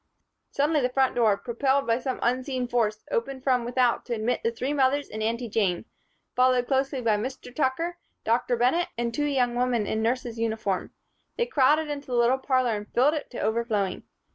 Suddenly the front door, propelled by some unseen force, opened from without to admit the three mothers and Aunty Jane, followed closely by Mr. Tucker, Dr. Bennett and two young women in nurses' uniform. They crowded into the little parlor and filled it to overflowing.